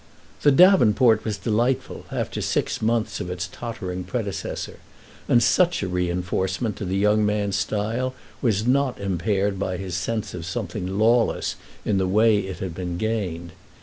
The davenport was delightful, after six months of its tottering predecessor, and such a re enforcement to the young man's style was not impaired by his sense of something lawless in the way it had been gained.